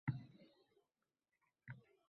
Uning ajoyib g’oyalaridan boxabar bo’ldik.